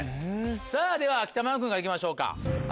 さぁでは北村君から行きましょうか。